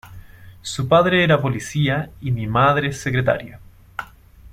Su padre era policía y mi madre secretaria.